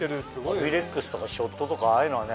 アヴィレックスとかショットとかああいうのはね